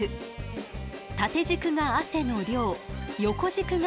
縦軸が汗の量横軸が時間よ。